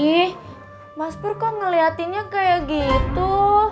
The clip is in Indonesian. ih mas pur kok ngeliatinnya kayak gitu